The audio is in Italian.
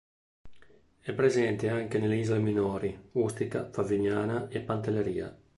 È presente anche nelle isole minori Ustica, Favignana e Pantelleria.